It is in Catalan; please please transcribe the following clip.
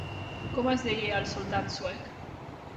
Com es deia el soldat suec?